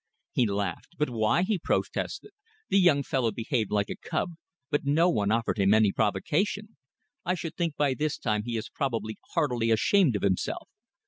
He laughed. "But why?" he protested. "The young fellow behaved like a cub, but no one offered him any provocation. I should think by this time he is probably heartily ashamed of himself.